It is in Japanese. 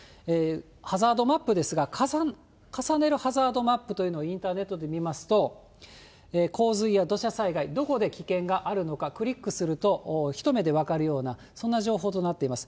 ハザードマップですが、重ねるハザードマップというのをインターネットで見ますと、洪水や土砂災害、どこで危険があるのか、クリックすると、一目で分かるような、そんな情報となっています。